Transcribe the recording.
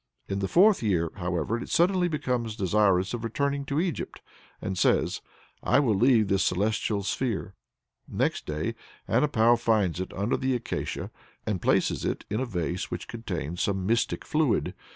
In the fourth year, however, it suddenly becomes desirous of returning to Egypt, and says, "I will leave this celestial sphere." Next day Anepou finds it under the acacia, and places it in a vase which contains some mystic fluid.